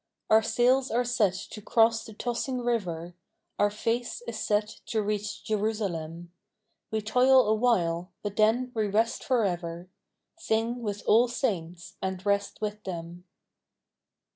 Our sails are set to cross the tossing river, Our face is set to reach Jerusalem: We toil awhile, but then we rest forever, Sing with all Saints and rest with them.